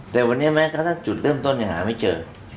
แต่วันนี้แม้กระทั่งจุดเริ่มต้นยังหาไม่เจอ